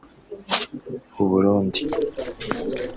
Uburundi